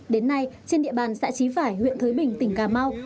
đến nay trên địa bàn xã chí phải huyện thới bình tỉnh cà mau